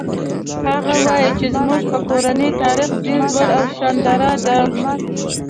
هغه وایي چې زموږ د کورنۍ تاریخ ډېر زوړ او شانداره ده